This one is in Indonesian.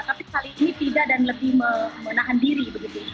tapi kali ini tidak dan lebih menahan diri begitu